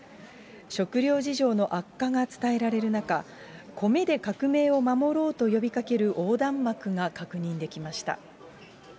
食料事情の悪化が伝えられる中、コメで革命を守ろうと呼びかける横断幕が確認できました。